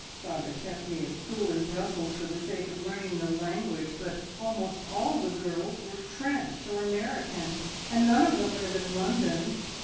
Father kept me at school in Brussels for the sake of learning the language, but almost all the girls were French or American, and none of them live in London.